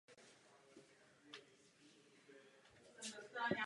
Koupání „na Adama“ je poměrně běžné.